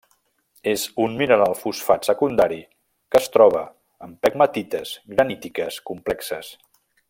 És un mineral fosfat secundari que es troba en pegmatites granítiques complexes.